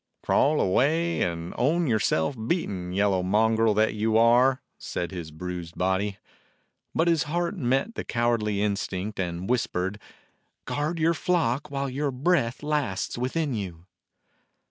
"Crawl away and own yourself beaten, yellow mongrel that you are!" said his bruised body. But his heart met the cowardly instinct and whis pered: "Guard your flock while your breath lasts within you."